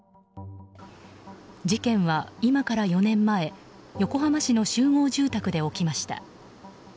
事件は今から４年前横浜市の集合住宅で起きました。